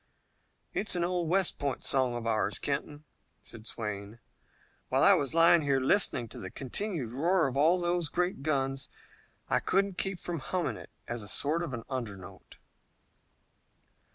"It's an old West Point song of ours, Kenton," said Swayne. "While I was lying here listening to the continued roar of all those great guns, I couldn't keep from humming it as a sort of undernote."